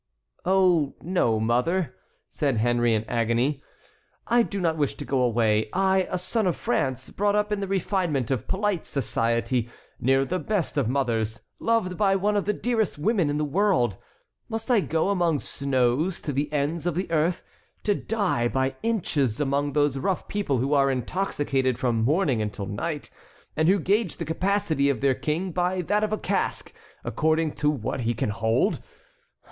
"Oh, no, mother," said Henry in agony, "I do not wish to go away. I, a son of France, brought up in the refinement of polite society, near the best of mothers, loved by one of the dearest women in the world, must I go among snows, to the ends of the earth, to die by inches among those rough people who are intoxicated from morning until night, and who gauge the capacity of their king by that of a cask, according to what he can hold?